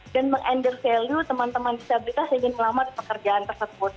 dan meng undersale you teman teman disabilitas yang ingin melamar di pekerjaan tersebut